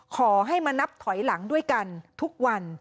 ขอให้มานับถอยหลังด้วยกันทุกวัน